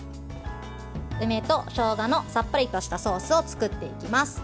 梅としょうがのさっぱりとしたソースを作っていきます。